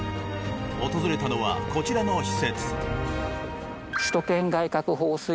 訪れたのはこちらの施設